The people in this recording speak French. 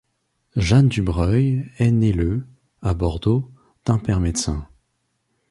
Jeanne Dubreuilh est née le à Bordeaux, d'un père médecin.